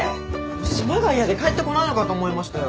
島が嫌で帰ってこないのかと思いましたよ。